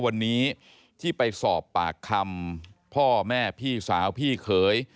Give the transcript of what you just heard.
วันนี้ที่ไปสอบปากคำพ่อแม่พี่สาวพี่เขย